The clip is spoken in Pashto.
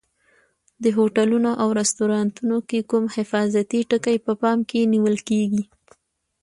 د هوټلونو او رستورانتونو کې کوم حفاظتي ټکي په پام کې نیول کېږي؟